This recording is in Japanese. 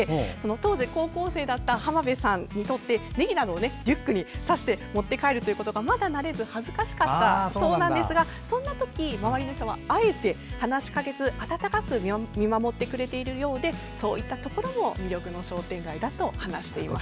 当時、高校生だった浜辺さんにとってねぎなどをリュックに挿して持って帰るということがまだ慣れず恥ずかしかったそうなんですがそんな時、周りの人はあえて話しかけず温かく見守ってくれているようでそういったところも魅力の商店街だと話していました。